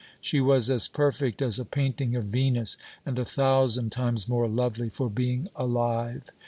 She was as perfect as a painting of Venus, and a thousand times more lovely for being alive.